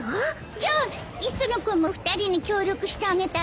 じゃあ磯野君も２人に協力してあげたら？